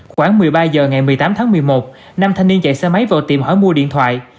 khoảng một mươi ba h ngày một mươi tám tháng một mươi một nam thanh niên chạy xe máy vào tiệm hở mua điện thoại